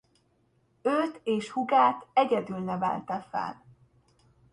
Őt és húgát egyedül nevelte fel.